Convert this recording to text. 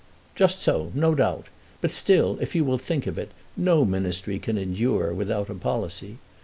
"Just so; no doubt. But still, if you will think of it, no ministry can endure without a policy.